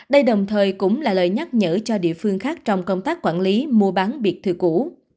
đây đồng thời cũng là lời nhắc nhở cho địa phương khác trong công tác quản lý mua bán biệt thự cũ